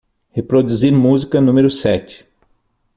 Reproduzir música número sete.